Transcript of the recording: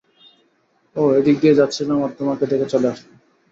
ওহ এদিক দিয়ে যাচ্ছিলাম আর তোমাকে দেখে চলে আসলাম।